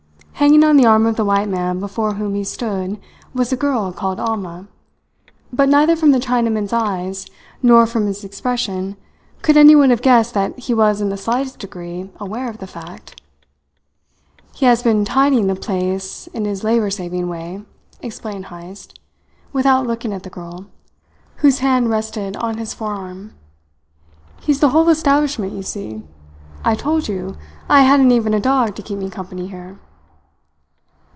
Hanging on the arm of the white man before whom he stood was the girl called Alma; but neither from the Chinaman's eyes nor from his expression could anyone have guessed that he was in the slightest degree aware of the fact. "He has been tidying the place in his labour saving way," explained Heyst, without looking at the girl, whose hand rested on his forearm. "He's the whole establishment, you see. I told you I hadn't even a dog to keep me company here."